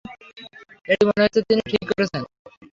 এটি মনে হচ্ছে তিনি ঠিকই করেছেন।